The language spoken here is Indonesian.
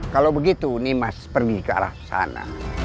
kalau begitu nimas pergi ke arah sana